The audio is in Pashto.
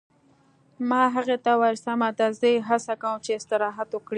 ما هغې ته وویل: سمه ده، زه یې هڅه کوم چې استراحت وکړي.